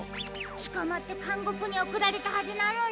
つかまってかんごくにおくられたはずなのに。